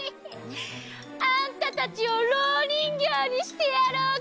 あんたたちをろうにんぎょうにしてやろうか！